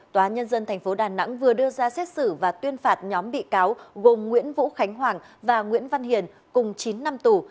tòa nhân dân tp đà nẵng vừa đưa ra xét xử và tuyên phạt nhóm bị cáo gồm nguyễn vũ khánh hoàng và nguyễn văn hiền cùng chín năm tù